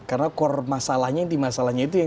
karena core masalahnya itu yang tidak dikejar gitu ya